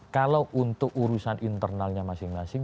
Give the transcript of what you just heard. kalau untuk urusan internalnya masing masing